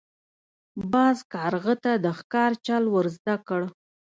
باز کارغه ته د ښکار چل ور زده کړ.